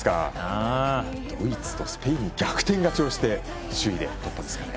ドイツとスペインに逆転勝ちして首位で突破ですからね。